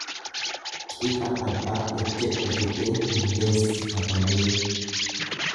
Qixa arbaa ejjedha jedhee hilleessi fatalee.